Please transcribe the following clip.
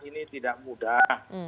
ini tidak mudah